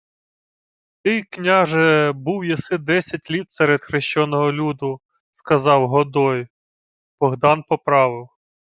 — Ти, княже, був єси десять літ серед хрещеного люду, — сказав Годой. Богдан поправив: